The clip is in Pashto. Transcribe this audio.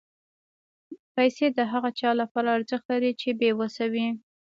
پېسې د هغه چا لپاره ارزښت لري چې بېوسه وي.